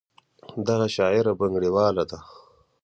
دغه شاعره بنګړیواله ده.